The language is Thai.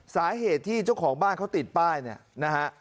สาเหตุที่เจ้าของบ้านเขาติดป้ายเนี่ยนะฮะ